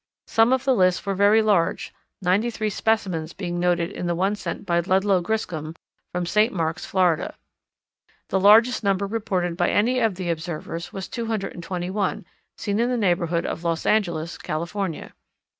Some of the lists were very large, ninety three specimens being noted in the one sent by Ludlow Griscom, from St. Marks, Florida. The largest number reported by any of the observers was 221, seen in the neighbourhood of Los Angeles, California.